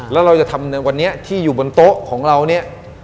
แล้วเราจะทำในวันนี้ที่อยู่บนโต๊ะของเราเนี่ย